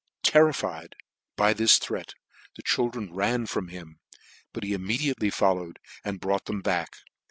Terrified by this threat, the children ran from him : but he immediately followed, and brought them back.